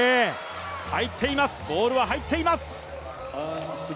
入っています、ボールは入っています。